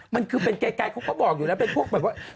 มันคือเป็นไกลเขาก็บอกอยู่แล้วเป็นพวกแบบว่า